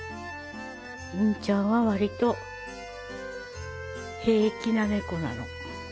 りんちゃんは割と平気な猫なの。